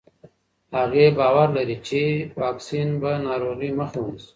هغې باور لري چې واکسین به د ناروغۍ مخه ونیسي.